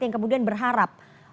yang kemudian berharap